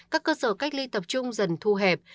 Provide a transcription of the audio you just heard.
các cơ sở cách ly tập trung dần thu hẹp